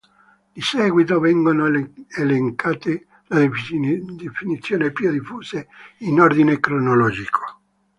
Di seguito vengono elencate le definizioni più diffuse, in ordine cronologico.